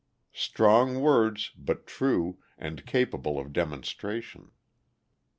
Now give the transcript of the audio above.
Strong words, but true, and capable of demonstration.